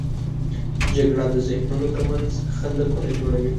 جګړه د ذهنونو تر منځ خندقونه جوړوي